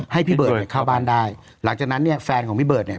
ให้พี่เบิร์ดเนี่ยเข้าบ้านได้หลังจากนั้นเนี่ยแฟนของพี่เบิร์ดเนี่ย